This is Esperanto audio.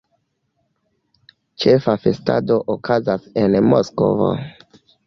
Ĉefa festado okazas en Moskvo.